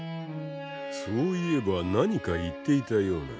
そういえば何か言っていたような。